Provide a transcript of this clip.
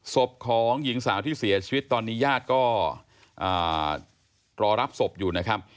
ศพของหญิงสาวที่เสียชีวิตตอนนี้ญาติก็รอรับศพอยู่นะครับ